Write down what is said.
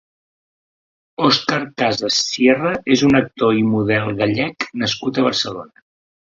Óscar Casas Sierra és un actor i model gallec nascut a Barcelona.